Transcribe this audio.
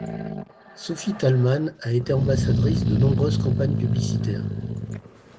Sophie Thalmann a été ambassadrice de nombreuses campagnes publicitaires.